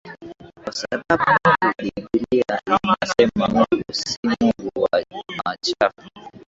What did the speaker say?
kwa sababu mungu bibilia inasema mungu si mungu wa machafu